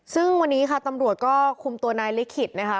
ซึ่งวันนี้ค่ะตำรวจก็คุมตัวนายลิขิตนะคะ